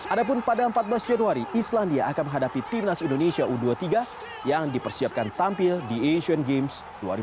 adapun pada empat belas januari islandia akan menghadapi timnas indonesia u dua puluh tiga yang dipersiapkan tampil di asian games dua ribu delapan belas